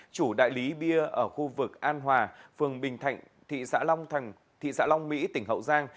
chủ đại lý bia ở khu vực an hòa phường bình thạnh thị xã long mỹ tỉnh hậu giang